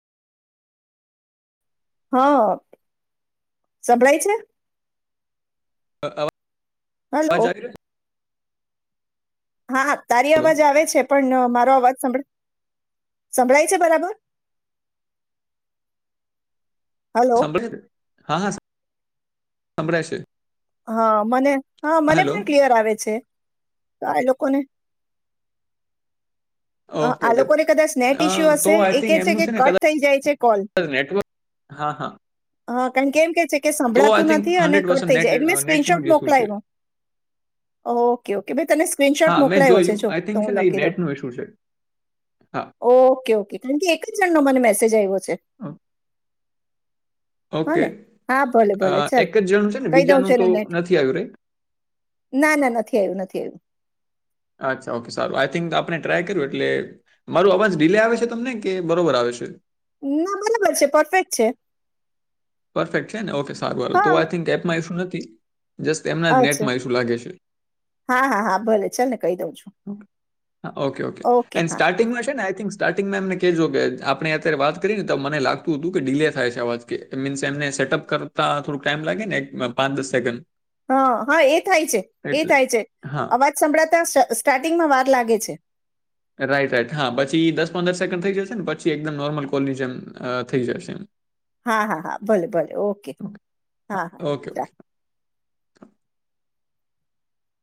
હા સંભળાય છે તો અવા હલો હા તારી છે બોલો અવાજ આવે છે પણ મારો અવાજ સંભ સંભળાય છે બરાબર હલો સંભળાયે હા હા સંભળાય છે હા મને હા મને પણ ક્લિયર આવે છે તો આ લોકોને ઓકે આ ઓકે લોકોને કદાચ સનેટ અ, ઇસ્યુ તો હશે આઈ એ થિંક કે છે એમનું કે ને કટ કદાચ થઈ જાય છે કોલ નેટવર્ક હા હા કારણ કેમ કે છે કે તો આઈ સંભળતું થિંક નથી અને હંડ્રેડ પર્સન્ટ કટ નેટ થ મેં નેટનું સ્ક્રેરેનશોટ જ મોક ઇસ્યુ છે ઓકે ઓકે ત સ્કનશોટ હા મેં મોકલા જોયું આઈ થિંક છે હું ને એ લખી દઉ નેટનું ઇસ્યુ છે હા ઓ ઓકે કાર મને મેસેજ આવ્યો છે છે હા ઓકે ને હા ભલે ભલે ચાલ એક જ જણનું છે ને કહી દઉં બીજાનું તો છોને નેટ નથી આવ્યું રે ના ના નથી આવ્યું નથી આવ્યું અચ્છા ઓકે સારું આઈ થિક આપણે ટ્રાય કર્યું એટલે મારું અવાજ ડીલે આવે છે તમને કે બરોબર આવે છે ના ભલે બ છે પરફેક્ટ છે પરફેક્ટ છે ને ઓકે સારું તો હા આઈ થિંક એપમાં શું નથી [inaudible] જસ્ટ એમના જ અચ્છા નેટમાં શું લાગે હા હા હા ભલે ચાલ ને કહી દઉં છું છેઓકે ઓકે એ સ્ટાર્ટિંગમાં છે ને સ્ટાર્ટિંગમાં એમને કેજો આપણે અત્યારે વાત કરી ને તો મને લાગતું હતું કે ડીલે થાય છે આવાજ કે મીન્સ એમને સેટઅપ કરતા થોડક ટાઈમ લાગે ને એક પાંચ દસ સેકન્ડ હા હા એ થાય છે એ એટલે થાય છે હા અવાજ સંભળાતા સ્ટાર્ટિંગમાં વાર લાગે છે રાઈટ રાઈટ હા પછી દસ પંદર સેકન્ડ થઈ જશે ને પછી એકદમ નોર્મલ કોલની જેમ અ થઈ જશે એમ હા હા હા ભલે ભલે ઓકે હા હા ઓકે